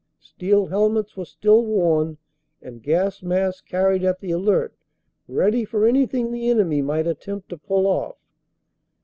Steel helmets were still worn and gas masks carried at the alert ready for anything the enemy might attempt to pull off.